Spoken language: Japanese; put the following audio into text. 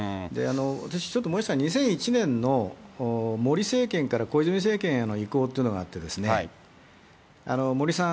私、ちょっと思い出したのは、２００１年の森政権から、小泉政権への移行っていうのがあってですね、森さん